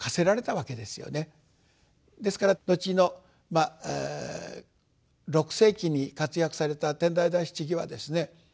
ですから後の６世紀に活躍された天台大師智はですね